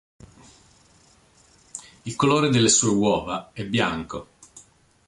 Il colore delle sue uova è bianco